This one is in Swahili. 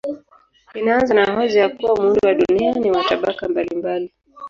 Inaanza na hoja ya kuwa muundo wa dunia ni wa tabaka mbalimbali.